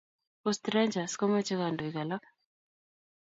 Post rangers ko mache kandoik alak